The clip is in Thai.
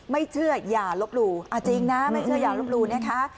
ไม่เชื่ออย่าลบหลู่จริงนะไม่เชื่ออย่าลบหลู่นะคะ